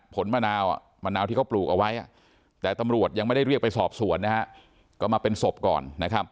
ผลมะนาวที่เขาปลูกเอาไว้แต่ตำรวจยังไม่ได้เรียกไปสอบสวนก็มาเป็นศพก่อน